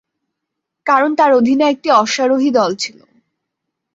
কারণ তার অধীনে একটি অশ্বারোহী দল ছিল।